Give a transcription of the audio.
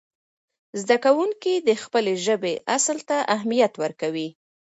زده کوونکي د خپلې ژبې اصل ته اهمیت ورکوي.